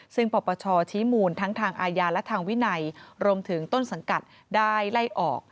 ซึ่งปปชชี้มูลทั้งทางอาญาและทางวินัยรวมถึงต้นสังกัดได้ไล่ออก